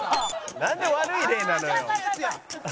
「なんで悪い例なのよ」